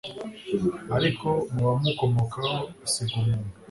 ariko mu bamukomokaho asiga umuntu